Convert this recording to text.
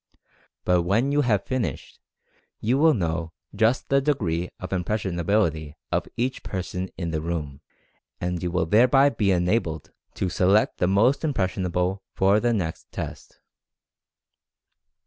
But when you have fin ished, you will know just the degree of impression ability of each person in the room, and you will thereby be enabled to select the most impressionable for the next test.